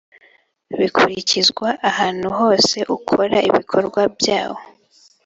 bikurikizwa ahantu hose ukora ibikorwa byawo